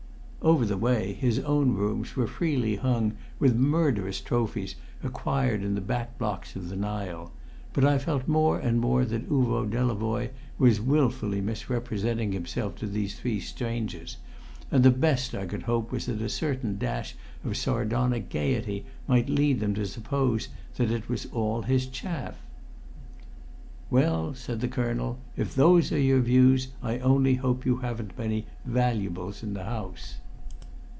Over the way, his own rooms were freely hung with murderous trophies acquired in the back blocks of the Nile; but I felt more and more that Uvo Delavoye was wilfully misrepresenting himself to these three strangers; and the best I could hope was that a certain dash of sardonic gaiety might lead them to suppose that it was all his chaff. "Well," said the colonel, "if those are your views I only hope you haven't many "valuables" in the house."